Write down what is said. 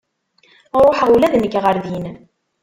Ruḥeɣ ula d nekk ɣer din.